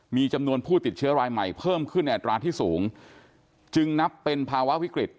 มีจำนวนผู้ติดเชื้อรายใหม่เพิ่มขึ้นในอัตราที่สูงจึงนับเป็นภาวะวิกฤต